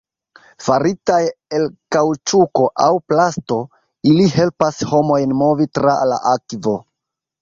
Faritaj el kaŭĉuko aŭ plasto, ili helpas homojn movi tra la akvo.